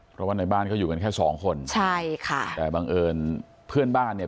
เพราะว่าในบ้านเขาอยู่กันแค่สองคนใช่ค่ะแต่บังเอิญเพื่อนบ้านเนี่ย